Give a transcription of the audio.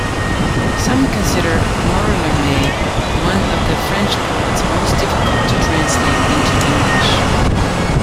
Some consider Mallarmé one of the French poets most difficult to translate into English.